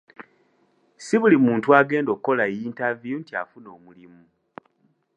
Si buli muntu agenda okukola yintaviyu nti afuna omulimu.